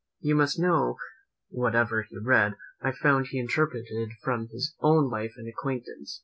You must know, whatever he read, I found he interpreted from his own way of life and acquaintance.